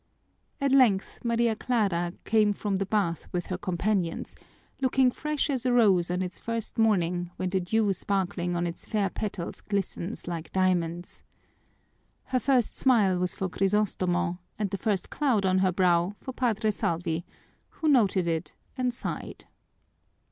At length Maria Clara came from the bath with her companions, looking fresh as a rose on its first morning when the dew sparkling on its fair petals glistens like diamonds. Her first smile was for Crisostomo and the first cloud on her brow for Padre Salvi, who noted it and sighed.